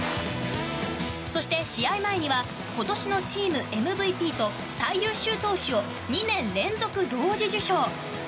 そして、試合前には今年のチームＭＶＰと最優秀投手を２年連続同時受賞。